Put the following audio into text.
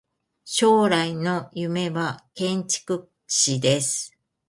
将来の夢は建築士です。